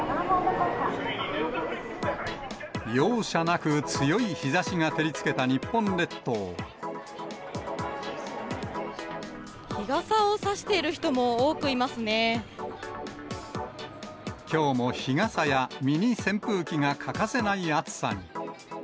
容赦なく強い日ざしが照りつ日傘を差している人も多くいきょうも日傘や、ミニ扇風機が欠かせない暑さに。